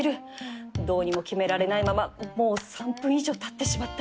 どうにも決められないままもう３分以上たってしまった